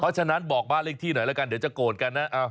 เพราะฉะนั้นบอกบ้านเลขที่หน่อยแล้วกันเดี๋ยวจะโกรธกันนะ